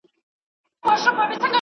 هغه تل په مسواک پسې ګرځي.